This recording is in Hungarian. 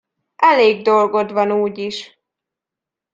Elég dolgod van úgyis!